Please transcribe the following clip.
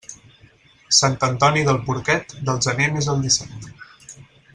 Sant Antoni del porquet del gener n'és el disset.